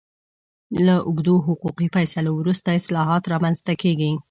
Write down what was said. له اوږدو حقوقي فیصلو وروسته اصلاحات رامنځته کېږي.